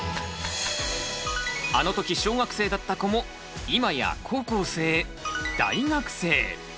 あのとき小学生だった子も今や高校生大学生。